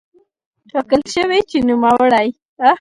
ټاکل شوې چې نوموړی